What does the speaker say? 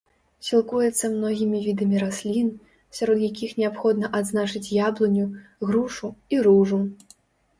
Сілкуецца многімі відамі раслін, сярод якіх неабходна адзначыць яблыню, грушу і ружу.